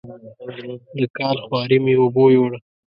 د کال خواري مې اوبو یووړه.